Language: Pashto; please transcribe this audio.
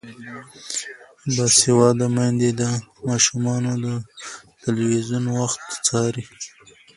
باسواده میندې د ماشومانو د تلویزیون وخت څاري.